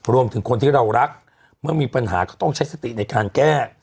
รวมถึงคนที่เรารักเมื่อมีปัญหาก็ต้องใช้สติในการแก้